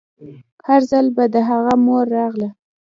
هر ځل به د هغه مور راغله.